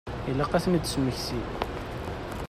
Ilaq ad ten-id-tesmekti.